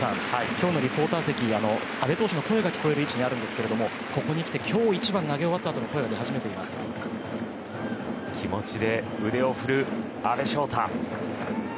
今日のリポーター席阿部投手の声が聞こえる位置にあるんですがここにきて今日一番投げ終わったあとの声が気持ちで腕を振る阿部翔太。